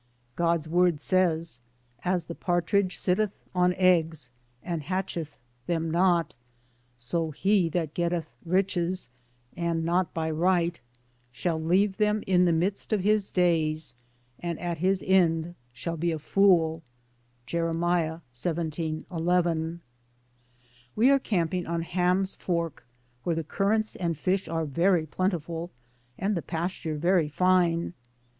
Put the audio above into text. God's Word says, "As the partridge sit teth on eggs, and hatcheth them not; so he that getteth riches, and not by right, shall leave them in the midst of his days, and at his end shall be a fool" (Jer. 17: 11). We are camping on Ham's Fork, where the currants and fish are very plentiful, and the pasture very fine.